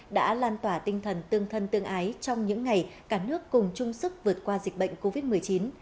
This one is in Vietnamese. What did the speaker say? đã lan tỏa tinh thần tương thân tương ái trong những ngày cả nước cùng chung sức vượt qua dịch bệnh covid một mươi chín